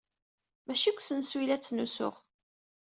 Maci deg usensu ay la ttnusuɣ.